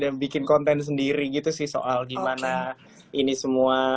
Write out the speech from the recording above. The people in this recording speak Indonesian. dan bikin konten sendiri gitu sih soal gimana ini semua